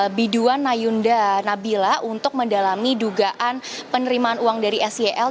biduan nayunda nabila untuk mendalami dugaan penerimaan uang dari sel